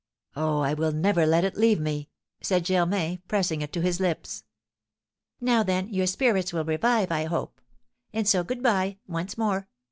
Oh, I will never let it leave me!" said Germain, pressing it to his lips. "Now, then, your spirits will revive, I hope! And so good bye, once more.